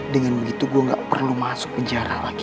dengan begitu gue gak perlu masuk penjara lagi